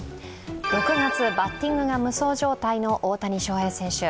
６月、バッティングが無双状態の大谷翔平選手。